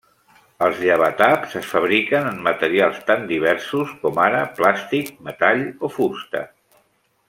Els llevataps es fabriquen en materials tan diversos com ara plàstic, metall o fusta.